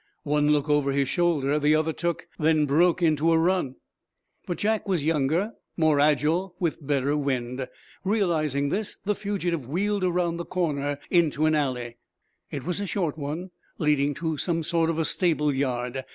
One look over his shoulder the other took, then broke into a run. But Jack was younger, more agile, with better wind. Realizing this, the fugitive wheeled around the corner into an alley. It was a short one, leading to some sort of a stable yard.